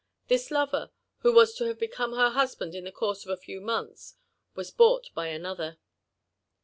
This bver, who was to have beconie her husband in the course of a few months, was bought by another.